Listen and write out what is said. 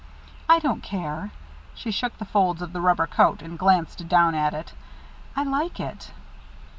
"I don't care." She shook the folds of the rubber coat, and glanced down at it. "I like it."